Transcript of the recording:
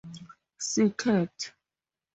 Circuit.